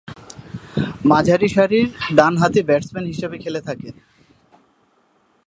মাঝারি সারির ডানহাতি ব্যাটসম্যান হিসেবে খেলে থাকেন।